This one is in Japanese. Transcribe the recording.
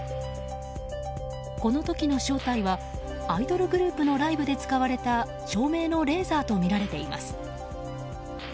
この時の正体はアイドルグループのライブで使われた照明のレーザーとみられています。